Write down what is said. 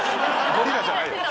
ゴリラじゃないよ。